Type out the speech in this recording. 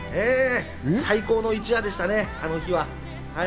最高の一夜でしたね、あの日は。